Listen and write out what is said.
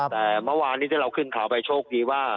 แต่เมื่อวานนี้ที่เราขึ้นข่าวไปโชคดีว่า